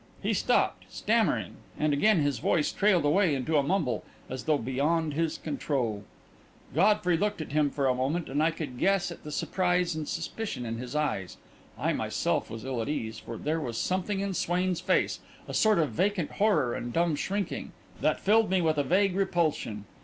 He stopped, stammering, and again his voice trailed away into a mumble, as though beyond his control. Godfrey looked at him for a moment, and I could guess at the surprise and suspicion in his eyes. I myself was ill at ease, for there was something in Swain's face a sort of vacant horror and dumb shrinking that filled me with a vague repulsion.